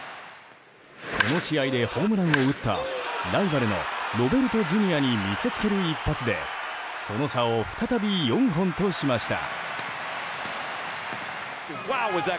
この試合でホームランを打ったライバルのロベルトＪｒ．に見せつける一発でその差を再び４本としました。